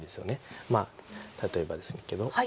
まあ例えばですけど。